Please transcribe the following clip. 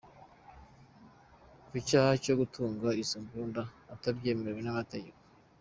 Ku cyaha cyo gutunga izo mbunda atabyemerewe n’amategeko,